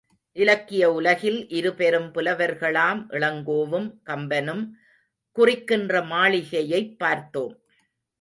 இலக்கிய உலகில் இருபெரும் புலவர்களாம் இளங்கோவும் கம்பனும் குறிக்கின்ற மாளிகையைப் பார்த்தோம்.